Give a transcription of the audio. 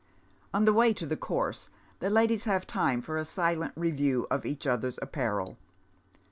On the way to the com se the ladies have time for a silent review of each other's apparel.